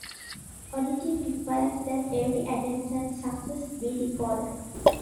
Auditing requires that every attempt at access be recorded.